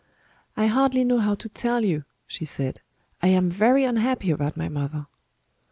"I hardly know how to tell you," she said. "I am very unhappy about my mother."